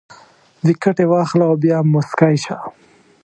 ویکټې واخله او بیا موسکی شه